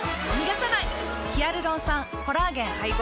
ヒアルロン酸・コラーゲン配合。